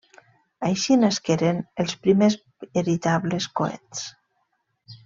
Així nasqueren els primers veritables coets.